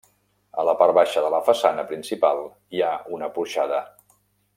A la part baixa de la façana principal hi ha una porxada.